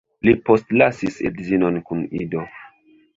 Li postlasis edzinon kun ido.